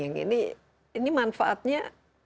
yang ini manfaatnya